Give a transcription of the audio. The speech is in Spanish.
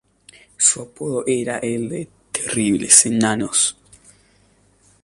Su apodo era el de "terribles enanos".